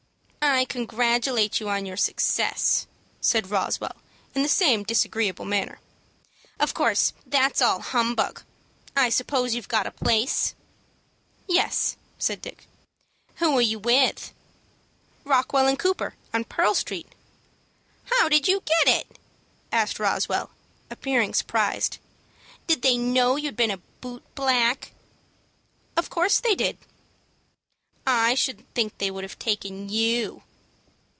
"I congratulate you on your success," said Roswell, in the same disagreeable manner. "Of course that's all humbug. I suppose you've got a place." "Yes," said Dick. "Who are you with?" "Rockwell & Cooper, on Pearl Street." "How did you get it?" asked Roswell, appearing surprised. "Did they know you had been a boot black?" "Of course they did." "I shouldn't think that they would have taken you."